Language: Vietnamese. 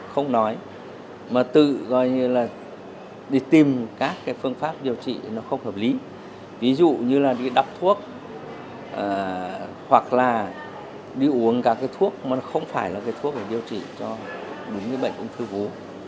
hoặc là đi uống các thuốc mà không phải là thuốc để điều trị cho những bệnh ung thư vú